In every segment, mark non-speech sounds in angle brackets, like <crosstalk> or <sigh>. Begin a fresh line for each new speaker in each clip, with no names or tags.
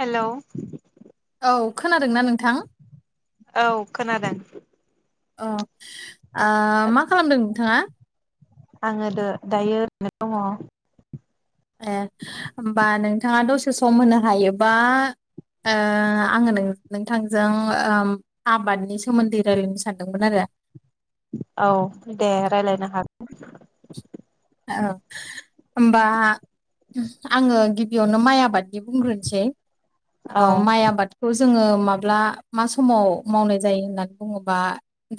Hello
औ खोनादोंना नोंथां?
औ खोनादों
अ' ओ मा खालामदों नोंथाङा
आङो दो दायो ओरैनो दङ'
ए होमबा नोंथाङा दसे सम होनो हायोबा ओ आङो नोंथांजों ओ आबादनि सोमोन्दै रायलायनो सानदोंमोन आरो
औ दे रायलायनो हागोन
औ होमबा आङो गिबियावनो माइ आबादनि बुंग्रोनोसै ओ
औ।
माइ आबादखौ जोङो माब्ला मा समाव मावनाय जायो होननानै बुङोबा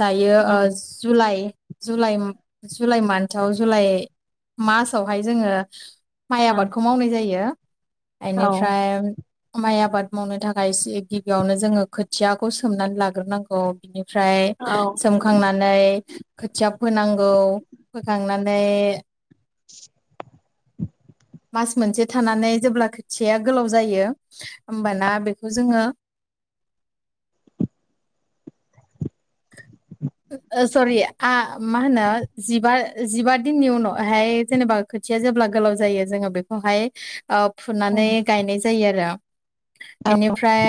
दायो ओ जुलाइ जुलाइ जुलाइ मान्थआव जुलाइ मासावहाय जोङो माइ
ओं
आबादखौ मावनाय जायो
औ
बेनिफ्राय माइ आबाद मावनो थाखाय एसे गिबियावनो जोङो खोथियाखौ सोमनानै लाग्रोनांगौ बिनि फ्राय
औ
सोमखांनानै खोथिया फोनांगौ फोखांनानै
<inaudible>
मास मोनसे थानानै जेब्ला खोथियाया गोलाव जायो होमबाना बेखौ जोङो
<inaudible>
ओ सरि आ मा होनो जिबा जिबा दिननि उनावहाय जेनेबा खोथिया जेब्ला गोलाव जायो जोङो बेखौहाय ओ फुनानै गायनाय जायो आरो इनिफ्राय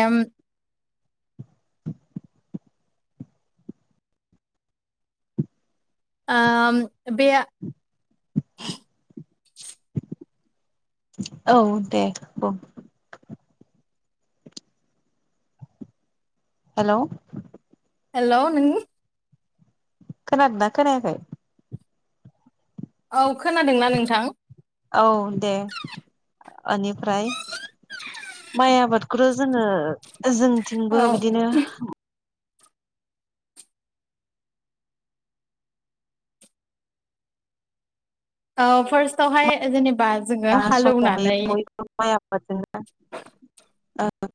<inaudible>
ओ बे
औ दे बुं हेलौ
हेल' नों।
खोनादो ना खोनायाखोय?
औ खोनादोंना नोंथां
औ दे ओनिफ्राय माइ आबादखौथ' जोङो जोंथिंबो
औ
बिदिनो
औ फार्स्टवहाय जेनेबा जोङो
दा समावहाय
हालौनानै
बयबो माय आबाद जोंनो ओ ओ।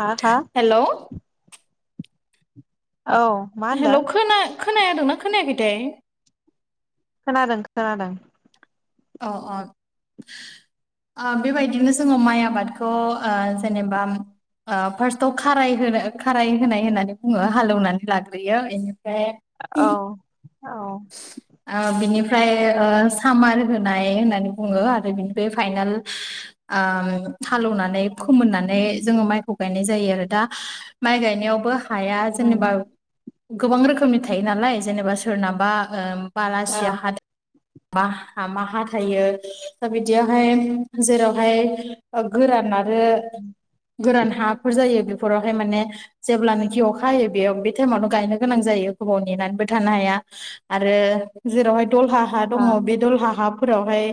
हा हा
हेल'
औ मा होनदों
खोनायादोंना खोनायाखैथाय
खोनादों खोनादों।
अ अ। ओ बेबायदिनो जोङो माइ आबादखौ ओ जेनेबा ओ फार्स्टआव खाराय होनो खाराय होनाय होननानै बुङो हालेवनानै लाग्रोयो बेनि
औ
<unintelligible>
औ
ओ बिनिफ्राय ओमफ्राय सामार होनाय होननानै बुङो आरो बिनिफ्राय बे फाइनाल ओ हालौवनानै फोमोननानै जोङो माइखौ गायनाय जायो आरो दा माइ गायनायावबो हाया
उम
जेनेबा गोबां रोखोमनि थायो नालाय जेनेबा सोरनाबा ओ
औ
बालासिया हादाबा हामा हा थायो दा बिदियावहाय जेरावहाय गोराना आरो गोरान हाफोर जायो बेफोरावहाय माने जेब्लानोखि अखा हायो बेयाव बे टाइमावनो गायनो गोनां जायो। गोबाव नेनानैबो थानो हाया आरो जेरावहाय दलहा हा
औ
दङ' बे दलहा हा फोरावहाय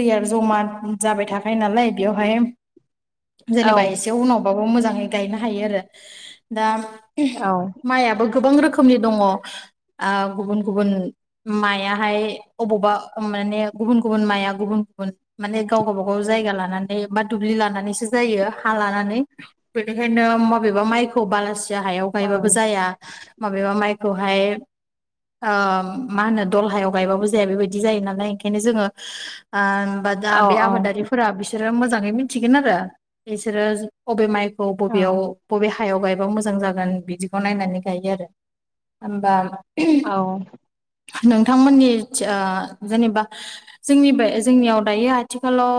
दैया ज'मा जाबाय थाखायो नालाय बेयावहाय जेनेबा
औ
एसे उनावबाबो मोजाङै गायनो हायो आरो दा
औ
माइयाबो गोबां रोखोमनि दंङ' ओ गुबुन गुबुन मायाहाय अबावबा माने गुबुन गुबुन माया गुबुन गुबुन। माने गाव गावबा गाव जायगा लानानै बा दुब्लि लानानैसो जायो हा लानानै बेनिखायनो मबेबा मायखौ बालासेया हायाव गायबाबो जाया माबेबा मायखौहाय ओ मा होनो दलहायाव गायबाबो जाया बेबायदि जायो नालाय ओंखायनो जोङो ओ होनबा दा
औ
बे
औ
आबादारिफोरा बिसि बिसोरो मोजाङै मिथिगोन आरो बिसोरो बबे माइखौ
औ
बबेयाव बबे हा हायाव गायबा मोजां जागोन बिदिखौ नायनानै गायो आरो होमबा
औ।
नोंथांमोननि ओ जेनेबा जोंनि बे जोंनियाव दायो आथिखालाव।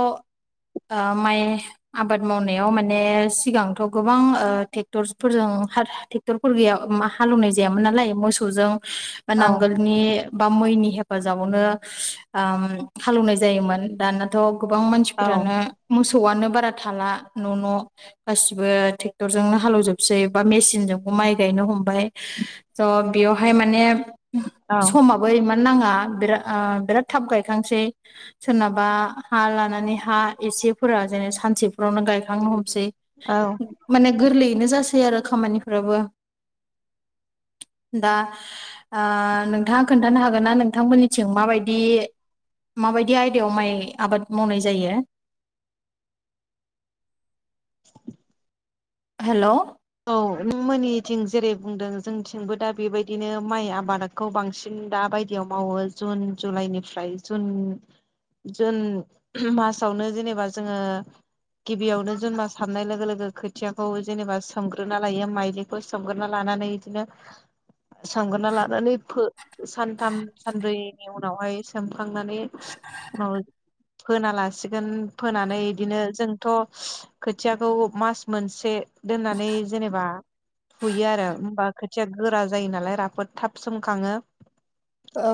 ओ माइ आबाद मावनायाव माने सिगांथ' गोबां ओ ट्रेक्टरसफोरजों ट्रेक्टरफोर गैया हालेवनाय जायामोन नालाय मोसौजों
औ
नांगोलनि बा मैनि हेफाजाबावनो ओ हालौनाय जायोमोन दानाथ' गोबां मानसिफोरानो मोसौ मोसौआनो बारा थाला न' न' गासिबो ट्रेक्टर जोंनो हालौजोबसै बा मेसिनजोंबो माइ गायनो हमबाय बेयावहाय माने
औ
समाबो इमान नाङा। बाराद थाब गायखांनोसै सोरनाबा हा लानानै हा एसेफोरा सानसेफोरावनो गायखांनो हमसै माने गोरलै बेनो जासोय आरो खामानिफ्राबो दा ओ नोंथाङा खोन्थानो हागोन ना नोंथांमोननिथिं माबायदि माबायदि आयदायाव माइ आबाद मावनाय जायो।
<inaudible>
हेल'
औ नों मोननिथिं जेरै बुंदों जोंथिंबो दा बेबायदिनो माइ आबादखौ बांसिन। दा बायदियाव मावो जुन जुलाइनिफ्राय जुन जुन मासावनो जेनेबा जोङो गिबियावनो जोङो साननाय लोगो लोगो खोथियाखौ जेनेबा सो सोमग्रोना लायो माइलिखौ सोमग्रोना लानानै बिदिनो। सोमग्रोना लानानै फो सानथाम सानब्रैनि उनावहाय सोमखांनानै औ। फोना लासिगोन फोनानै बिदिनो जोंथ' खोथियाखौ मास मोनसे दोननानै जेनेबा सुयो आरो होमबा खोथिया गोरा जायो नालाय राफोद थाब सोमखाङो।
औ।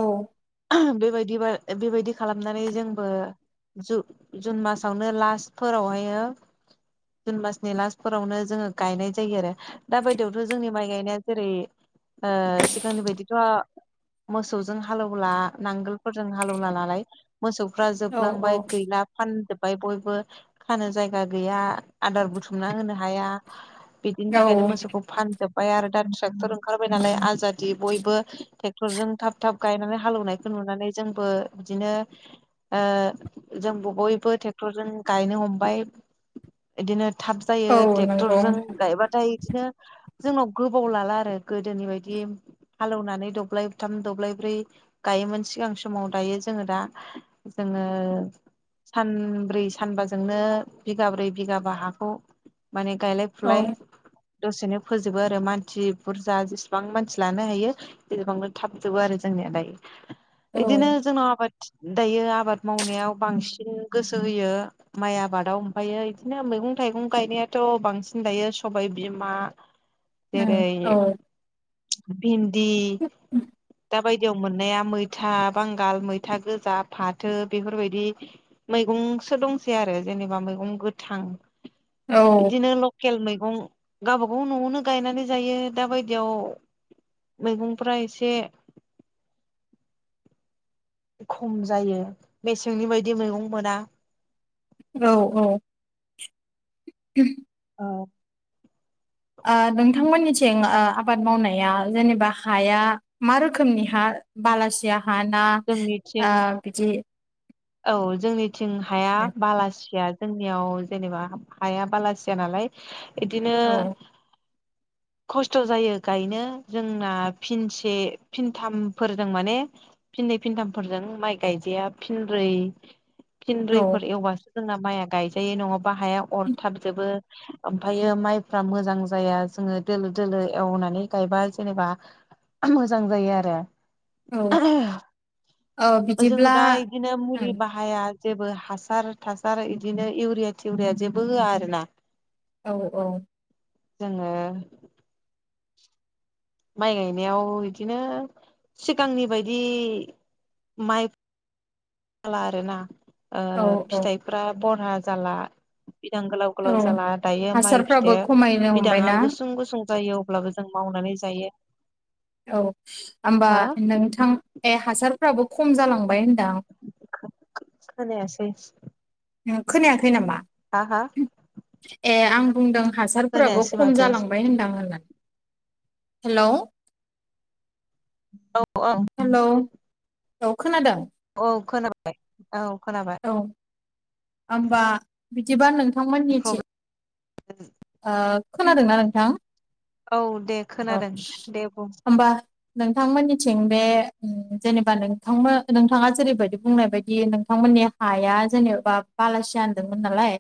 बेबायदि बेबायदि खालामनानै जोंबो जु-जुन मासावनो लास्टफोरावहायो जुन मासनि लास्टफोरावनो जोङो गायनाय जायो आरो दा बायदियावथ' जोंनि माइ गायनाया जेरै ओ सिगांनि बायदिथ' मोसौजों हालेवला नांगोलफोरजों हालेवला नालाय मोसौफ्रा
औ
जोबलांबाय गैला फानजोब बाय बयबो खानो जायगा गैया आदार बुथुमना होनो हाया बिदिनि
औ
थाखायनो मोसौखौ फानजोबबाय आरो दा ट्रेक्टर ओंखारबाय नालाय आजादि बयबो ट्रेक रजों थाब थाब गायनानै हालेवनायखौ नुनानै जोंबो बिदिनो ओ जों बयबो ट्रेक्टर जों गायनो हमबाय बिदिनो। थाब जायो
औ नंगौ
ट्रेक्टरजों गायबाथाय बिदिनो जोंनाव गोबाव लाला आरो गोदोनि बायदि हालौनानै दब्लाय थाम दब्लाय ब्रै गायोमोन सिगां समाव दायो जोङो दा जोङो सानब्रै सानबाजोंनो बिगाब्रै बिगाबा हाखौ माने गायलाय
औ
फुलाय दसेनो फोजोबो आरो मानसि बुरजा जेसेबां मानसि लानो हायो बेसेबांनो थाबजोबो आरो जोंनिया दायो। बिदिनो
उम
जोंनाव आबाद दायो आबाद मावनायाव बांसिन गोसो होयो माइ आबादाव ओमफ्रायो बिदिनो मै मैगं थाइगं गायनायाथ' बांसिन दायो सबाय बिमा
ओम
जेरै
औ
भिन्दि दा बायदियाव मोननाया मैथा बांगाल मैथा गोजा फाथो बेफोरबायदि मैगं सो दंसै आरो जेनेबा मैगं गोथां
औ
बिदिनो लके खेल मैगं गावबा गाव न'आवनो गायनानै जायो दा बायदियाव मैगंफ्रा एसे खम जायो मेसेंनि बायदि मैगं मोना
औ औ <inaudible>
औ
ओ नोंथांमोननिथिं ओ आबाद मावनाया जेनेबा हाया मा रोखोमनि हा। बालासिया हाना
जोंनिथिं
आ ओ बिदि।
औ जोंनिथिं हाया बालासिया। जोंनियाव जेनेबा हाया बालासिया नालाय इदिनो।
औ
<inaudible> खस्थ' जायो गायनो जोंना फिनसे फिनथामफोरजों माने फिन। फिनै फिनथामफोरजों माइ गायजाया फिनब्रै
औ
फिनब्रैफोर एवबासो। जोंना माइआ गायजायो नङाबा हाया अरथाब जोबो ओमफ्रायो माइफ्रा मोजां जाया। जोङो दोलो दोलो एवनानै गायबा जेनेबा मोजां जायो आरो।
औ औ
जोङो
बिदिब्ला
दा बिदिनो मुलि
ओं
बाहाया। जेबो हासार थासार बिदिनो इउरिया थिउरिया जेबो होआ आरो ना।
औ औ।
जोङो। माइ गायनायाव बिदिनो सिगांनि बायदि माइ। जाला आरोना ओ
औ औ
फिथाइफ्रा बरहा जाला। बिदां गोलाव गोलाव
औ
जाला दायो माइ फिथो
हासारफ्राबो खमायनो
बिदाङा
हमबायना
गुसुं गुसुं। जायो अब्लाबो जों मावनानै जायो।
औ होमबा
हा
नोंथां ए हासारफ्राबो खम जालांबाय होनदां।
खोनायासै।
खोनायाखै नामा।
हा हा।
ए आं बुंदों हासारफोराबो
खोनायासै
खम
माथो
जालांबाय होनदां होननानै। हेलौ।
औ औ।
हेलौ औ खोनादों।
औ खोनाबाय औ खोनाबाय।
औ होमबा बिदिबा नोंथांमोननिथि
प्रब्लेम
ओ खोनादोंना नोंथां।
औ दे
औ
खोनादों दे बुं।
होमबा नोंथांमोननिथिं बे जेनेबा नोंथांमोन नोंथाङा जेरैबायदि बुंनाय बायदि नोंथांमोननि हाया जेनेबा बालासिया होनदोंमोन नालाय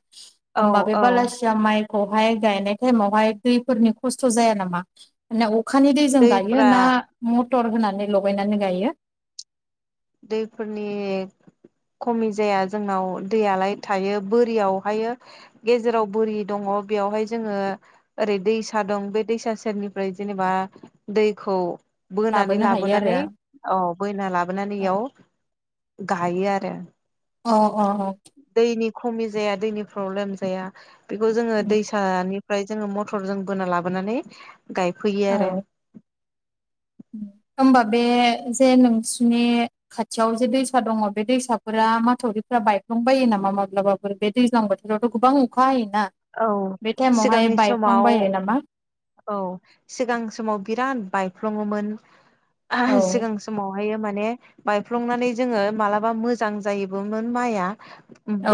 औ
होमबा बे
औ
बलासिया माइखौ बहाय गायनाय टाइमावहाय दैफोरनि खस्थ जाया नामा मा अखानि दैजों गायो
दैफ्रा
ना मटर होनानै लगायनानै गायो
दैफोरनि खमि जाया जोंनाव दैयालाय थायो बोरियावहाय गेजेराव बोरि दङ बेयावहाय जोङो ओरै दैसा दं बे दैसा सेरनिफ्राय जेनेबा दैखौ बोनानै
लाबोनो हायो आरो
लाबोनानै
अ
औ बोना लाबोनानै इयाव गायो आरो।
अ अ अ।
दैनि खमि जाया दैनि प्रब्लेम जाया बेखौ जोङो दैसानि ओमफ्राय जोङो मटरजों बोना लाबोनानै गायफैयो
अ
आरो।
औ
<inaudible>
होमबा बे जे नोंसनि खाथियाव जे दैसा दङो बे दैसाफोरा माथावरि बायफ्लांबायो नामा माब्लाबाफोर बे दैज्लां बोथोरावथ गोबां अखा हायो।
औ
बे टाइमावहाय
सिगांनि समाव
बायफ्लांबायो नामा।
औ सिगां समाव बिराद बायफ्लङोमोन
औ
सिगां समाव बायो माने बायफ्लंनानै जोङो मालाबा मोजां जायोबोमोन माइआ।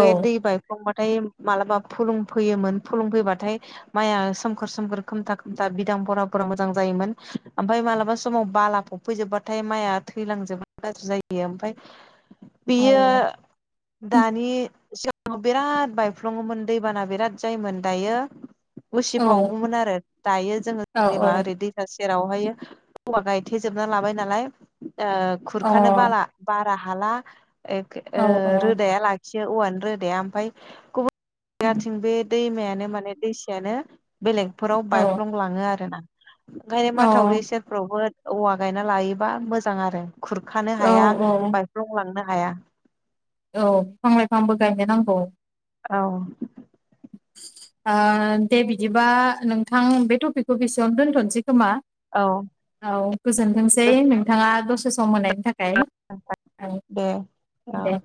बे दै बायफ्लंबा। थाय मालाबा फुलुं फैयोमोन फुलुं फैबाथाय माइया सोमखोर सोमखोर खोमथा- खोमथा बिदां भरा-भरा मोजां जायोमोन। ओमफ्राय मालाबा समाव बाला फबफैजोब्बाथाय माइआ थैलांजोबो गाज्रि जायो ओमफ्राय
अ
बियो दानि जोब आ बिराद बायफ्लङोमोन दैबाना बिराद जायोमोन दायो
औ
उसिफावोममोन आरो। दायो जोङो
औ
जेनेबा ओरै दैसा सेरावहाय औवा गायथेेजोबना लाबाय नालाय ओ
अ औ
खुरखानो बाला बारा हाला। ओ
औ
रोदाया लाखियो एसे औवानि रोदाया ओमफ्राय गुबुन जायगाथिं बे दैमायानो माने दैसायानो बेलेगफोराव बायफ्लंलाङो आरो ना। ओंखायनो माथावरि सेरफ्रावबो औवा गायना लायोबा मोजां आरो। खुरखानो
औ
हाया
औ
बायफ्लंलांनो हाया।
औ फिफां-लाइफांबो गायनो नांगौ।
औ।
ओ दे बिदिबा नोंथां बे टपिकखौ बेसेबां दोनथ'नोसै। खोमा
औ
औ गोजोनथोंसै नोंथाङा दसे सम मोननायनि थाखाय।
गोजोन
औ
दे औ
दे।